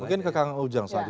mungkin ke kang ujang saja